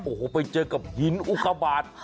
โอ้โหไปเจอกับหินอุกบาท